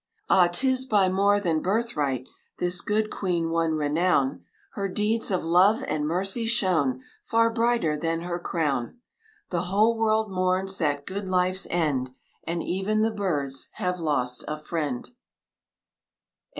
Ah! 'tis by more than birthright This good Queen won renown; Her deeds of love and mercy shone Far brighter than her crown. The whole world mourns that good life's end, And even the birds have lost a friend.